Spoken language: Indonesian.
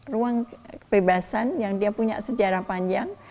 ruang kebebasan yang dia punya sejarah panjang